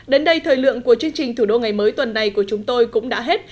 đến đây thời lượng của chương trình thủ đô ngày mới tuần này của chúng tôi cũng đã hết